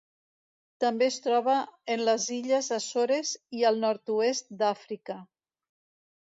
També es troba en les Illes Açores i el nord-oest d'Àfrica.